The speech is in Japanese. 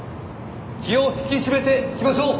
気を引き締めていきましょう。